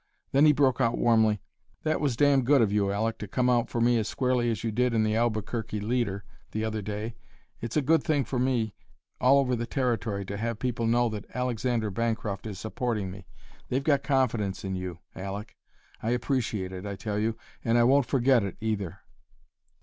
Then he broke out warmly: "That was damn good of you, Aleck, to come out for me as squarely as you did in the Albuquerque Leader the other day! It's a good thing for me, all over the Territory, to have people know that Alexander Bancroft is supporting me. They've got confidence in you, Aleck. I appreciate it, I tell you, and I won't forget it, either."